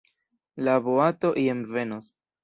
La boato ien venos.